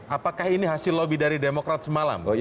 apakah ini hasil lobby dari demokrat semalam